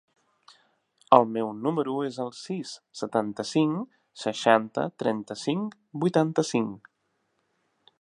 El meu número es el sis, setanta-cinc, seixanta, trenta-cinc, vuitanta-cinc.